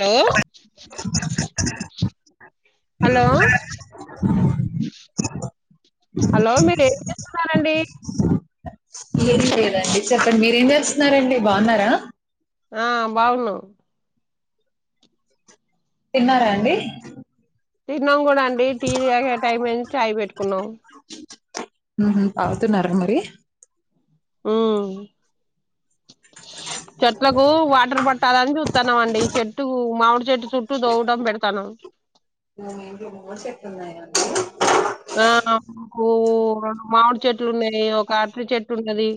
Hello hello hello మీరేం చేస్తున్నారండి ఏం లేదండి చెప్పండి మీరేం చేస్తున్నారండి బాగున్నార ఆ బాగున్నాం తిన్నారా అండి తిన్నాం కూడా అండి టీ తాగే టైం అయ్యింది చాయ్ పెట్టుకున్నాం తాగుతున్నారా మరి ఉమ్ చెట్లకు వాటర్ పట్ టాలని చూస్తాన్నాం అండి చెట్టు మామిడి చెట్టు చుట్టూ తొవటం పెడతానం మీ ఇంట్లో మామిడి చెట్లు ఉన్నాయండి ఆ మాకు రెండు మామిడి చెట్లు ఉన్నాయి ఒక అరటి చెట్టు ఉంటది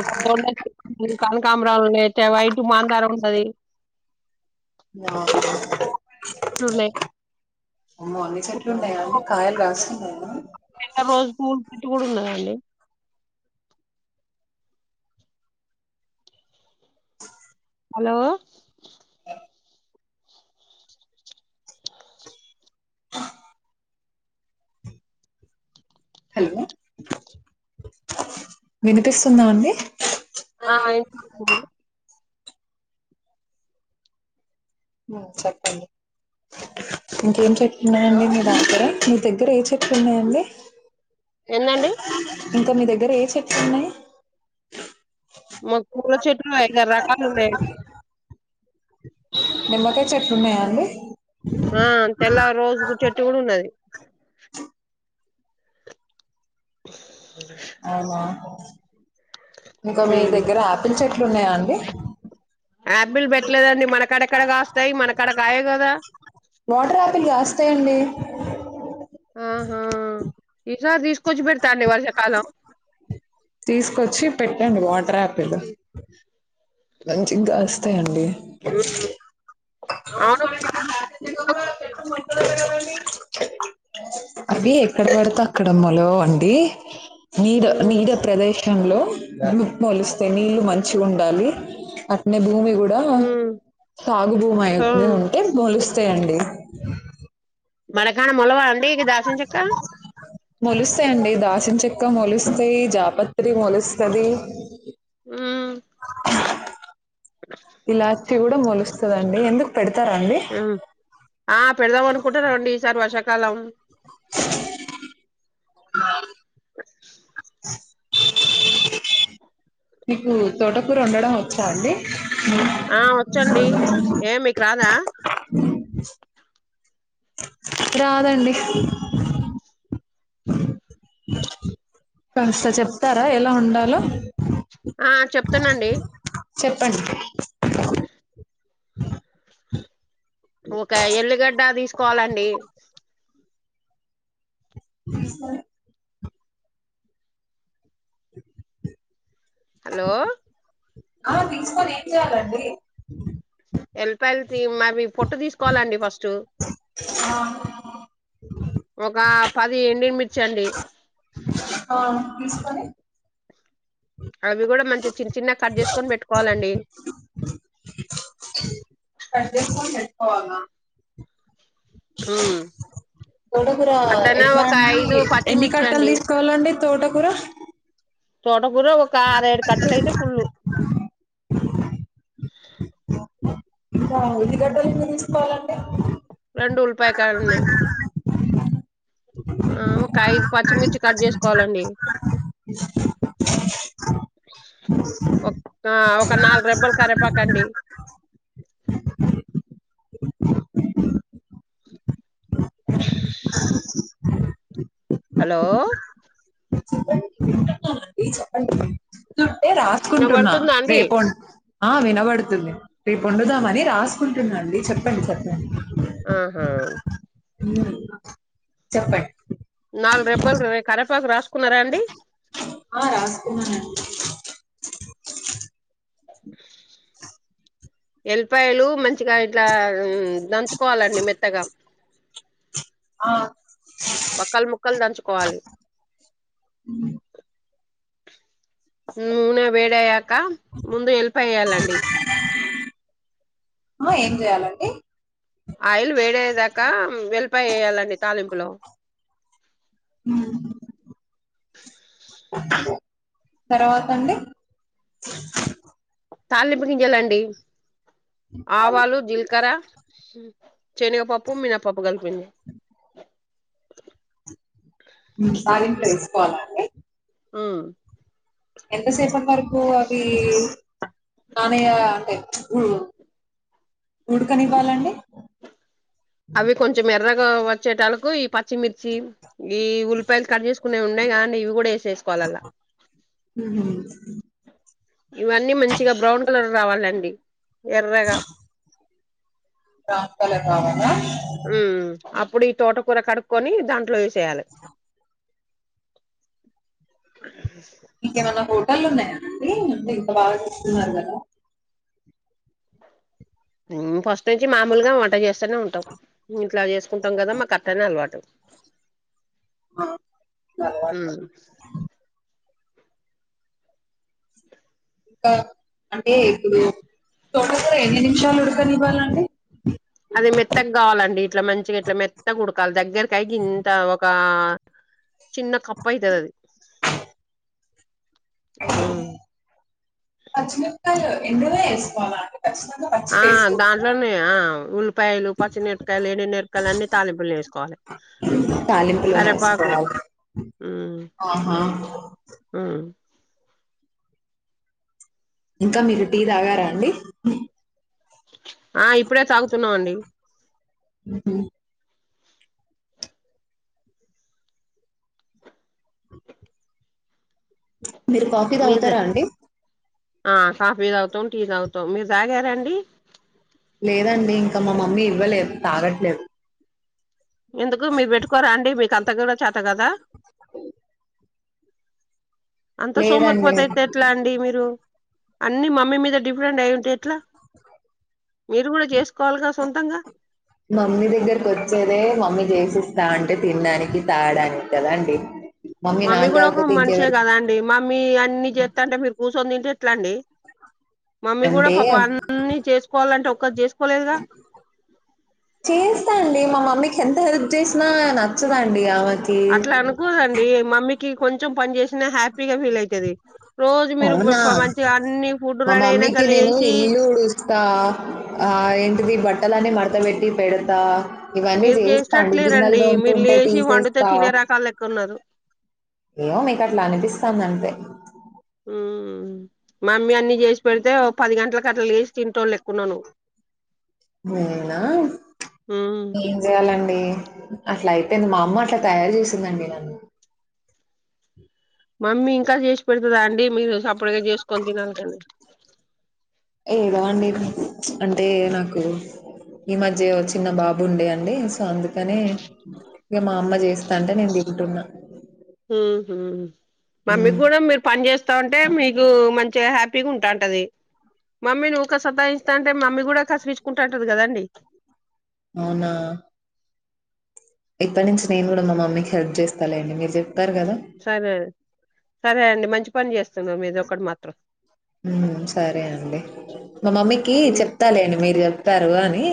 ఒక దొండా చెట్టు కనకంబరాలు ఉన్న వైట్ మాందారం ఉంటది ఆ చెట్లు ఉన్నాయి అమ్మో అన్ని చెట్లు ఉన్నయా అండి కాయలు కాస్తున్నాయనా స్కూల్ కిట్ కూడా ఉన్నదండి హలో హలో వినిపిస్తుందాండీ ఆ వినిపిస్తుందండి చెప్పండి ఇంకేం చెట్లున్నాయండి మీ దగ్గర మీ దగ్గర ఏ చెట్లున్నాయండి ఏందండి ఇంకా మీ దగ్గర ఏ చెట్లు ఉన్నాయి మాకు పూల చెట్లు ఐదారు రకాలు ఉన్నాయండి. నిమ్మకాయ చెట్లు ఉన్నాయండి ఆ తెల్ల రోజుపూ చెట్టు కూడా ఉన్నది. [inaudible] ఆహా ఇంకా మీ ఉమ్ దగ్గర ఆపిల్ చెట్లు ఉన్నాయా అండి ఆపిల్ పెట్టలేదండి మనకాడక్కెడ కాస్తాయి మనకాడ కాయవు కదా వాటర్ ఆపిల్ కాస్తాయండి ఆహా ఈసారి తీసుకొచ్చి పెడతాఅండి వర్షాకాలం తీసుకొచ్చి పెట్టండి వాటర్ ఆపిల్ మంచిగ కాస్తాయండి అవును అవి ఎక్కడ పడితే అక్కడ మొలవవండీ నీరు ఉమ్ నీరు ప్రదేశంలో మొలిస్తే నీళ్లు మంచిగుండాలి అట్నే భూమి కూడా ఉమ్ సాగు భూమి అయి హా ఉంటే [unintelligible] అంతే అండి మడకాడా మొలవ్వా అండి ఇగ దాసిం చెక్క మొలుస్తాయండి దాసిన చెక్క మొలుస్తాయి జాపత్రి మొలుస్తది ఉమ్ ఇలాచ్చి కూడా మొలుస్తుదండి ఎందుకు పెడతారా అండి ఉమ్ కాలం ఆ [inaudible] మీకు తోటకూర వండడం వచ్చా అండి ఆ వచ్చండి ఏ మీకు రాదా రాదండి కాస్త చెప్తా ఎలా వండాలో ఆ చెప్తానండి చెప్పండి ఒక ఎల్లిగడ్డ తీసుకోవాలండి స హలో ఆ తీసుకొని ఏం చేయాలండి ఎలిపాల్ మరి పొట్టు తీసుకోవాలండి ఫస్ట్ ఆ ఒక పది ఎండి మిర్చి అండి ఆ తీసుకుని అవి కూడా మంచిది చిన్న చిన్నగా కట్ చేసుకొని పెట్టుకోవాలండి కట్ చేసుకొని పెట్కోవాల హ్మ్. తోటకూర అట్లనే ఎట్లా ఒక అడి ఐదు ఎన్ని పచ్చిమిర్చి కట్టలు అండి తీసుకోవాలండి తోటకూర తోటకూర ఒక ఆర ఏడు కట్టలు అయితే ఫుల్లు ఇ ఉల్లిగడ్డలు ఎన్ని తీసుకోవాలండి రెండు ఉల్పాయ కాలన్న ఆ ఒక ఐదు పచ్చిమిర్చి కట్ చేసుకోవాలండి ఒక హలో చెప్పం చెప్పం అ రాసుకుంటున్నా వినబడుతుందా అండి రేపు ఆ వినబడుతుంది రేపు వండుదామని రాసుకుంటున్నా అండి చెప్పండి చెప్పండి ఆహా చెప్పండి నాలు రెబ్బల్ కరేపాక రా ఆ రాస్ కనండి ఎలిపాయలు మంచిగా ఇట్లా దంచుకోవాలండి మెత్తగా ఆ వక్కలు ముక్కలు దంచుకోవాలి నూనె వేడయ్యాక ముందు హెల్ప్ అయ్యాలండి ఆ ఏం చేయాలండి ఆయిల్ వేడేదాకా వెళ్ళిపోయి వేయాలండి తాలింపులో తర్వాత అండి [unintelligible] తాళనింపగించాలండి ఆవాలు జిలకర చెని పాపం మీన ప పాపం పోగల్ ప సార్ ఇంట్లో వేసుకోవాలండి ఆ ఎంత సేపం వరకు అది నానయ అంటే గు ఉడుకనివ్వాలండి అవి కొంచెం ఎర్రగా వచ్చేటలు ఈ పచ్చిమిర్చి ఈ ఉల్లిపాయలు కట్ చేసుకునేవి ఉండేయి కాగానీ ఇవి కూడా వేసేసుకోవాలి అలా ఊహు ఇవన్నీ మంచిగా బ్రౌన్ కలర్ రావాలండి ఎర్రగా బ్రౌన్ కలర్ రావాలా ఉ అప్పుడు ఈ తోటకూర కడుక్కొని దాంట్లో వే చేఎలి [unintelligible] ఇక మనము కళ్ళు ఉన్నాయా అండి మీరు బాగా చేస్తున్నారు కదా ఇం ఫస్ట్ నుంచి మామూలుగా వంట చేస్తూనే ఉంటాం ఇంట్లో చేసుకుంటాం కదా మాకు అట్టనే అలవాటు మీకు ఊ అలవాటు. ఇంకా అంటే ఇప్పుడు తోటలో ఎన్ని నిమిషాలు ఉడకనివ్వాలండి అది మెత్తకు కావాలండి ఇట్లా మంచిగా ఇట్లా మెత్తగా ఉడకాలి దగ్గరకైకి ఇంత ఒక చిన్న కప్పు అయితది ఆది పచ్చిమిరపకాయలు ఎందులో వేసుకోవాలా ఖచ్చితంగా ఆ పచ్చివి వేసుకోకూడదా దాంట్లోనే ఆ ఉల్లిపాయలు పచ్చిమిరపకాయలు ఎండుమిరపకాయలు అన్ని తాలింపులో వేసుకోవాలి తాలింపులోనే కరేపాకు వేసుకోవాలి ఆహా ఇంకా మీరు టీ తాగారా అండి ఆ ఇప్పుడే తాగుతున్నాం అండి [unintelligible] మీరు కాఫీ మీదే తాగుతారా అండి ఆ కాఫీ తాగుతాం టీ తాగుతాం తొమ్మిది తాగారండి లేదండి ఇంకా మా మమ్మీ ఇవ్వలేదు తాగట్లేదు ఎందుకు మీరు పెట్టుకోరా అండి మీకు అంత ఆది కూడా చాత కదా అ అంత లేదండి. సోమురిపోతు ఆయితే ఎట్లా అండి మీరు అన్ని మమ్మీ మీద డిఫరెంట్ అయి ఉంటే ఎట్లా మీరు కూడా చేసుకోవాలిగా సొంతంగా మమ్మీ దగ్గరకి వచ్చేదే మమ్మీ చేసిస్త అంటే తినడానికి తాగాడానికి కదా అండి మమ్మీ కూడా ఒక మనిషే కదా అండి మమ్మీ అన్ని చేస్తా అంటే మీరు కూర్చొని తింటే ఎట్లా అండి మమ్మీ కూడా అంటే పాప అన్ని చేసుకోవాలంటే ఒక పని జేసు చేస్తా అండి మా మమ్మీ ఎంత హెల్ప్ చేసినా నచ్చదండి అమె అట్లా అనుకోదండి మమ్మీకి కొంచెం పని చేసినా హ్యాపీగా ఫీల్ ఐతాది అవునా మా రెడీ అయినాక మమ్మీకి నేను లేసి ఇల్లూడుస్తా ఆ ఏంటిది బట్ట ట్టలని మడతబెట్టి పెడతా ఇవన్నీ మీరు చేస్తా అండి గిన్నెలు చేసేటట్లేరండి మీరు తోముతుంటే లేచి వండితే తీసేస్తా తినే రకాల లెక్క ఉన్నారు ఏమో మీకు అట్లా అనిపిస్తాంది అంతే ఉమ్ మమ్మీ అన్నీ చేసి పెడితే ఓ పది గంటలకు అట్ల లేసి తింటోళ్ళు లెక్క ఉన్నావ్ నువ్ నేనా ఉమ్ ఏం చెయ్యాలండి అట్లా అయిపోయింది మా అమ్మ అట్లా తయారు చేసిందండి నన్ను మమ్మీ ఇంకా చేసి పెడుతదా అండి మీరు సం ఇప్పడుగా చేసుకొని తినాల గాని ఏదో అండి అంటే నాకు ఈ మధ్య చిన్న బాబు ఉండే అండి సో అందు కనే ఇగ మా అమ్మ చేస్తాంటే నేను తింటున్నా హూ హూ హ్మ్. మమ్మీకి కూడా మీరు పని చేస్తా ఉంటే మీకు మన్ దిగా హ్యాపీగా ఉంటాంటది మమ్మీ నువ్వు ఊక సతాయిస్తాంటే మమ్మీ కూడా కసిరిచ్ కుంటాంటది కదండి అవునా! ఇప్పటి నుంచి నేను కూడా మా మమ్మీకి హెల్ప్ చేస్తా లేండి మీరు చెప్ సరే సరే అండి మంచి పని చేస్తున్నారు మీదొకటి మాత్రం ఉమ్ సరే అండి మా మమ్మీకి చెప్తా లేేండి మీరు చెప్ తారు అని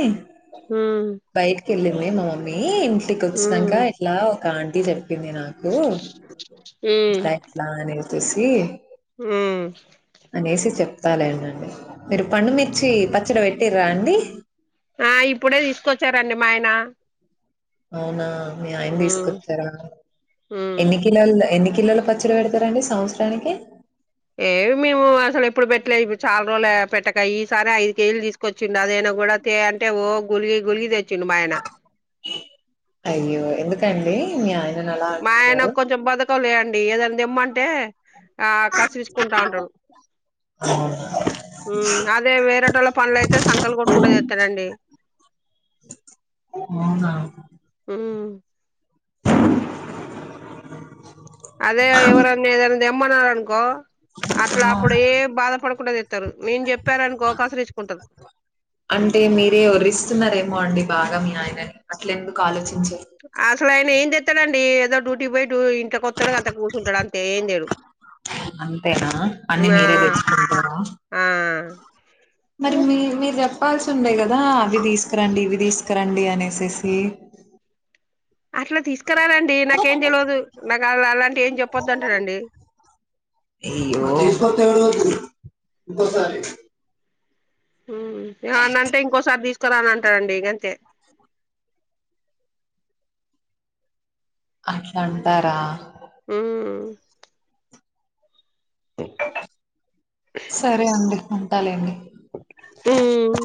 హుమ్ కెళ్ళింది మా మమ్మీ టికి వచ్చినంక ఇట్లా క ఆంటీ చెప్ చప్పింది నాకు [inaudible] ఇట్లా ఎట్లా అనే పేసి ఊ ప్తాలేండండి మీరు పండుమిర్చి పచ్చడి పెట్టిర్రా అండి ఆ ఇప్పుడే తీసుకొచ్చారండి మా ఆయన అవునా మీ ఆయన ఉమ్ తీసుకొచ్చారా ఉమ్ ఎన్ని కిలోలు ఎన్ని కి కిలోల పచ్చడి పెడతారండి సంవత్సరానికి ఏవి మేము అసలు ఎప్పుడు పెట్టలే ఇప్పుడు చాలా రోజులు పెట్టక ఈ సారి ఐదు కేజీలు తీసు కొచ్చిండు అదైనా కూడా తే అంటే ఓ గులిగి గులిగి దె అయ్యో ఎందు అండి ఇంగ మా ఆయన కొంచెం బతకలే అండి అ ఏదైనా ఇమ్మంటే ఆ కసిరించుకుంటా ఉంటాడు అదే వేరేట వాళ్ళ పనులు అయితే సంకల్ కొట్టు కుంట్ట చేస్తాడండి అవునా! అదే ఇవరానా ఇడియన తెమ్మన్నారునుకో అట్లా ఆ! అప్పుడు ఏ బాధపడకుండా తె ఇస్తారు మేం చెప్పాఅనుకో కాసురిచుకుంటాడు భాగం యన అట్ల ఎందుకు ఆలోచ ఆ అసలు ఆన ఏం తెస్తాడండి ఏదో డ్యూటీ పోయి ఇ ఇంటి కొత్తడుగా అంత కూర్చుంటాడు అంతే ఏం చెడు అంతేనా అన్ని ఆ మీరే తెచ్చుకుంటారా ఆ మరి మీ మీరు చెప్పాల్సి ఉండేయి కదా అవి తీసుకురండి ఇవి తీసుకురండి అనేసేసి అట్లా తీసుకురాలండి నాకేం చెలవదు నాకు అ అలాంటి ఏం చెప్పొద్దు అంటడండి తీసుకొత్తే ఎవడు ఇంకోసారి ఏమనంటే ఇంకోసారి తీసుకురాను అంటాదు అండి గంతే అట్లా అంటారా ఆ సరే అండి తాలెండి ఉమ్